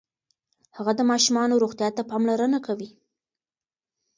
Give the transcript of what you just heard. هغه د ماشومانو روغتیا ته پاملرنه کوي.